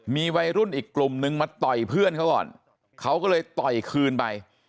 มีวัยรุ่นอีกกลุ่มนึงมาต่อยเพื่อนเขาก่อนเขาก็เลยต่อยคืนไป